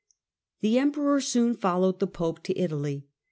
The emperor soon followed the pope to Italy.